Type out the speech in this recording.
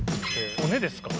骨ですか？